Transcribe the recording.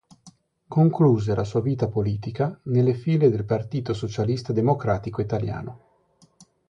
Concluse la sua vita politica nelle file del Partito Socialista Democratico Italiano.